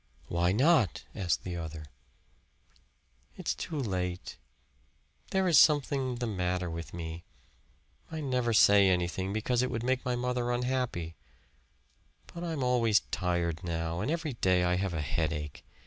"Why not?" asked the other. "It's too late. There is something the matter with me. I never say anything, because it would make mother unhappy; but I'm always tired now, and every day I have a headache.